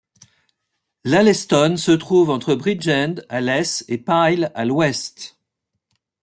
Laleston se trouve entre Bridgend, à l'est, et Pyle, à l'ouest.